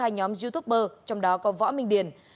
hai nhóm youtuber trong đó có võ minh điền